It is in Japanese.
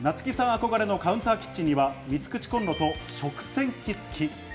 憧れのカウンターキッチンには３口コンロと食洗機つき。